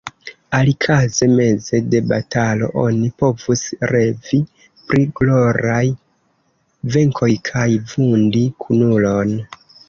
Alikaze meze de batalo oni povus revi pri gloraj venkoj kaj vundi kunulon.